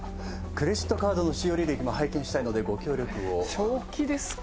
クレジットカードの使用履歴も拝見したいのでご協力を正気ですか？